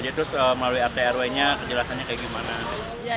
terus melalui rtrw nya kejelasannya kayak gimana